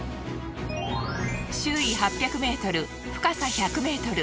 周囲８００ｍ深さ１００ｍ。